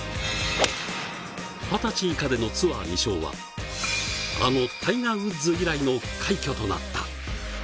二十歳以下でのツアー２勝はあのタイガー・ウッズ以来の快挙となった。